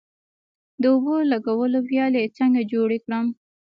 د اوبو لګولو ویالې څنګه جوړې کړم؟